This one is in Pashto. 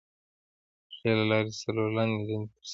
د خولې لاړې څلور لاندې دندې تر سره کوي.